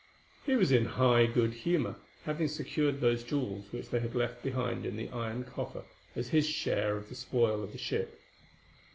He was in high good humour, having secured those jewels which they had left behind in the iron coffer as his share of the spoil of the ship.